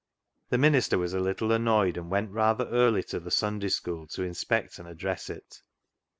The minister was a little annoyed, and went rather early to the Sunday School to inspect and address it.